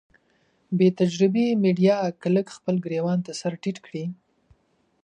بې تجربې ميډيا که لږ خپل ګرېوان ته سر ټيټ کړي.